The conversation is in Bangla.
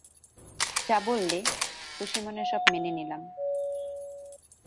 যা বললে, খুশি মনে সব মেনে নিলাম।